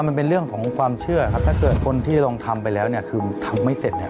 มันเป็นเรื่องของความเชื่อครับถ้าเกิดคนที่ลองทำไปแล้วเนี่ยคือทำไม่เสร็จเนี่ย